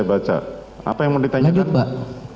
apa yang mau ditanyakan